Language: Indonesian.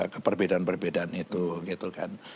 keperbedaan perbedaan itu gitu kan